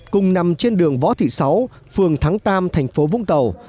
cùng nằm trên đường võ thị sáu phường thắng tam thành phố vũng tàu